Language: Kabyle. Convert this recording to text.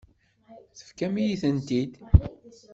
Tefkam-iyi-ten-id.